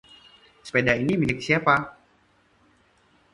Sepeda ini milik siapa?